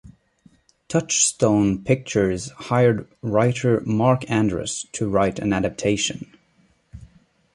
Touchstone Pictures hired writer Mark Andrus to write an adaptation.